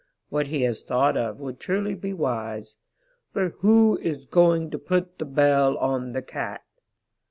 What he has thought of would truly be wise, but WHO IS GOING TO PUT THE BELL ON THE CAT?"